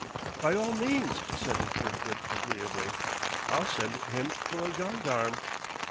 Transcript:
"By all means," assented Kirkwood agreeably. "I'll send him for a gendarme."